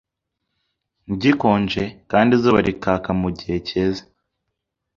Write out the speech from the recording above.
gikonje kandi izuba rikaka mugihe cyeze